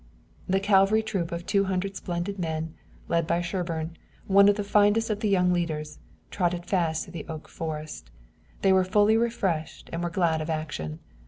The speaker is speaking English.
The cavalry troop of two hundred splendid men, led by Sherburne, one of the finest of the younger leaders, trotted fast through the oak forest. They were fully refreshed and they were glad of action.